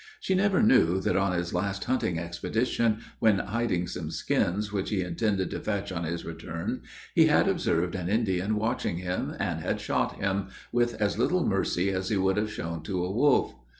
She never knew that on his last hunting expedition, when hiding some skins which he intended to fetch on his return, he had observed an Indian watching him, and had shot him, with as little mercy as he would have shown to a wolf.